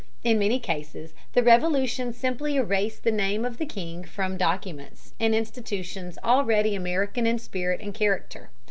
In many cases the Revolution simply erased the name of the king from documents and institutions already American in spirit and character.